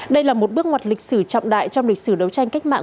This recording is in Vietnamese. đây là một bước ngoặt lịch sử trọng đại trong lịch sử đấu tranh cách mạng